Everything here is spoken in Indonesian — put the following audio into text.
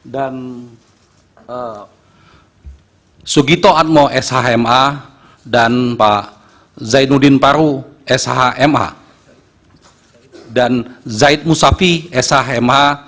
dan sugito atmo shma dan pak zaidudin paru shma dan zaid musafi shma